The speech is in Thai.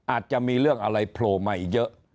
อาจจะมีเรื่องอะไรโผล่มาอีกเยอะ